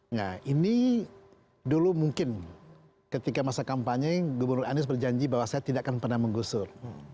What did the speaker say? nah ini dulu mungkin ketika masa kampanye gubernur anies berjanji bahwa saya tidak akan pernah menggusur